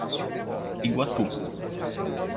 Iguatu